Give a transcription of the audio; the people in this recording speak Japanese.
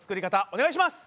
お願いします！